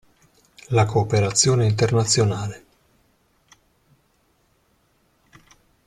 La cooperazione internazionale.